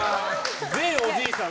全おじいさん